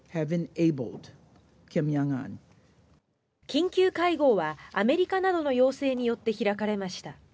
緊急会合はアメリカなどの要請によって開かれました。